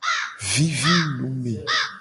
Vivi nu me.